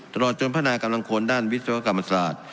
ตลอดจนพัฒนากำลังคนด้านวิศวกรรมศาสตร์